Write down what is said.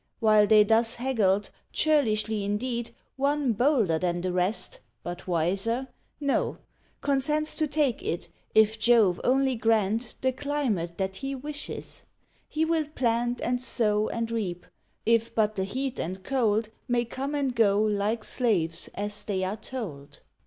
While they thus haggled, churlishly indeed, One bolder than the rest but wiser? no Consents to take it, if Jove only grant The climate that he wishes; he will plant, And sow, and reap, if but the heat and cold May come and go, like slaves, as they are told.